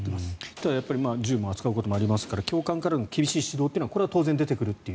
ただ銃も扱うこともありますから教官からの厳しい指導というのは当然、出てくると。